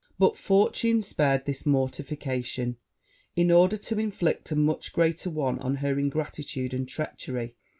But fortune spared this mortification, in order to inflict a much greater one on her ingratitude and treachery.